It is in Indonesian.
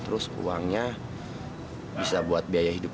terus uangnya bisa buat biaya hidup